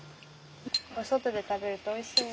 お外で食べるとおいしいね。